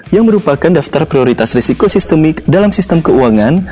yang merupakan daftar prioritas risiko sistemik dalam sistem keuangan